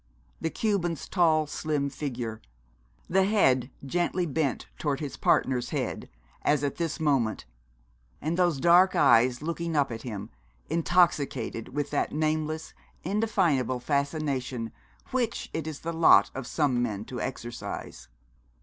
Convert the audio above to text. The Cuban's tall slim figure, the head gently bent towards his partner's head, as at this moment, and those dark eyes looking up at him, intoxicated with that nameless, indefinable fascination which it is the lot of some men to exercise.